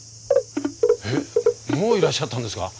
えっもういらっしゃったんですか？